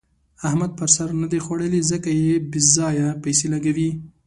احمد پر سر نه ده خوړلې؛ ځکه بې ځايه پيسې لګوي.